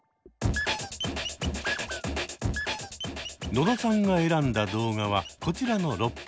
野田さんが選んだ動画はこちらの６本。